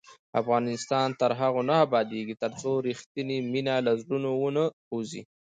افغانستان تر هغو نه ابادیږي، ترڅو رښتینې مینه له زړونو ونه وځي.